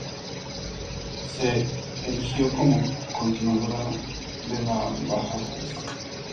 Se erigió como continuadora de la Bauhaus.